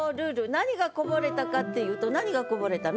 何がこぼれたかっていうと何がこぼれたの？